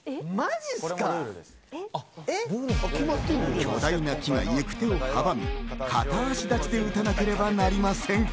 巨大な木が行く手を阻み、片脚立ちで射たなければなりません。